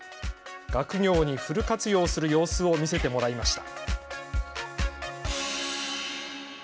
学業にフル活用する様子を見せてもらいました。